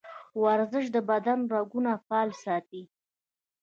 ورزش د بدن رګونه فعال ساتي.